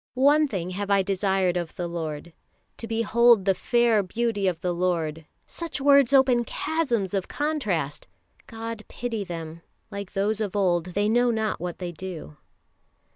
"One thing have I desired of the Lord ... to behold the fair beauty of the Lord" such words open chasms of contrast. God pity them; like those of old, they know not what they do.